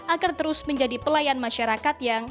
agar terus menjadi pelayan masyarakat yang